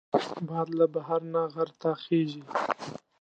باد له بحر نه غر ته خېژي